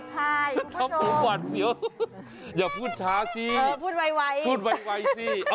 ไม่โหย้มือปุ่นที่สา